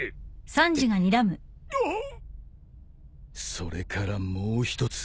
それからもう一つ。